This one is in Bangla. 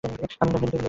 আমি এটা মেনেও নিয়েছি।